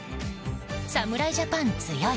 侍ジャパン強い！